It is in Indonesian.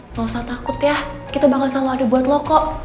nggak usah takut ya kita bakal selalu ada buat lo kok